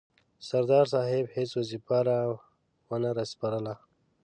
سردار صاحب هیڅ وظیفه را ونه سپارله.